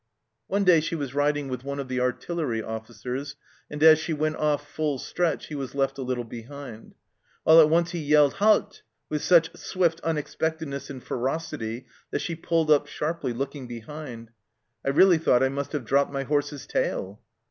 One day she was riding with one of the artillery officers, and as she went off full stretch he was left a little behind. All at once he yelled " Halte !" with such swift unexpectedness and ferocity that she pulled up sharply, looking behind. " I really thought I must have dropped my horse's tail